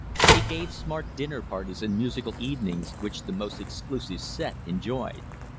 He gave smart dinner parties and musical evenings, which the most exclusive set enjoyed.